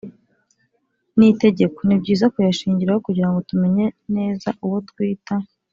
n'itegeko, ni byiza kuyashingiraho kugira ngo tumenye neza uwo twita